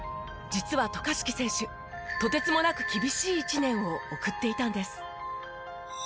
実は渡嘉敷選手とてつもなく厳しい１年を送っていたんです。